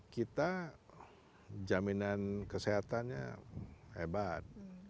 kita jaminan kesehatannya hebat